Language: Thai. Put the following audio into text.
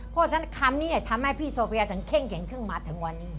เพราะฉะนั้นคำนี้ทำให้พี่โซเฟียถึงเข้งแข็งขึ้นมาถึงวันนี้